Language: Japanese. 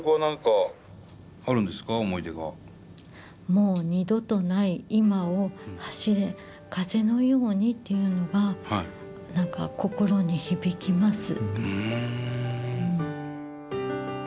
「もう二度とない“今”を走れ」「風のように」というのが何か心に響きます。